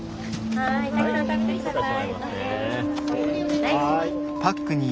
はいたくさん食べてください。